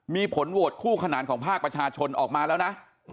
มีผลโหวตคู่ขนานของภาคประชาชนออกมาแล้วนะ